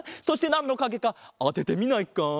そしてなんのかげかあててみないか？